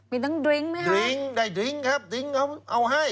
มีตั้งดริงก์ไหมครับได้ดริงก์ครับดริงก์เอาให้